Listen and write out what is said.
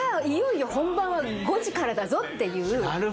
いよいよ本番は５時からだぞっていう。